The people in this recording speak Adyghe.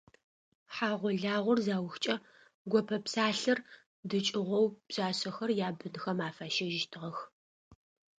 Хьагъо-лагъор заухкӏэ, гопэ псалъэр дыкӏыгъоу пшъашъэхэр ябынхэм афащэжьыщтыгъэх.